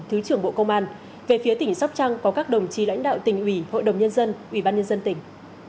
thứ trưởng bộ công an về phía tỉnh sóc trăng có các đồng chí lãnh đạo tỉnh ủy hội đồng nhân dân ủy ban nhân dân tỉnh